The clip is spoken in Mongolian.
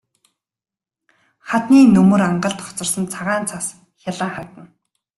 Хадны нөмөр ангалд хоцорсон цагаан цас гялайн харагдана.